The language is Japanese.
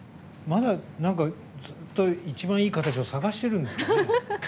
まだずっと一番いい形を探してるんですかね。